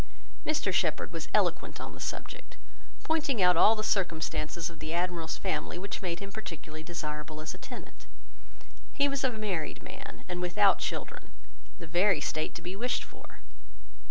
Mr Shepherd was eloquent on the subject; pointing out all the circumstances of the Admiral's family, which made him peculiarly desirable as a tenant. He was a married man, and without children; the very state to be wished for.